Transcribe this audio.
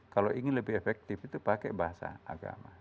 kalau ingin lebih efektif itu pakai bahasa agama